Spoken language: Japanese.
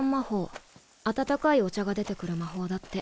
温かいお茶が出てくる魔法だって。